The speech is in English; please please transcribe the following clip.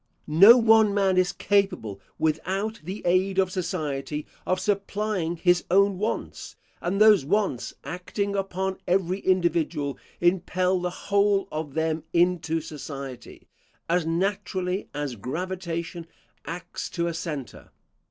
No one man is capable, without the aid of society, of supplying his own wants, and those wants, acting upon every individual, impel the whole of them into society, as naturally as gravitation acts to a centre.